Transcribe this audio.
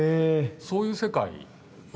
そういう世界。